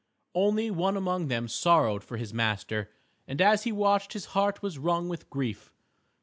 Only one among them sorrowed for his master, and as he watched his heart was wrung with grief.